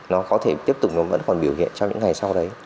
nó có thể tiếp tục nó vẫn còn biểu hiện trong những ngày sau đấy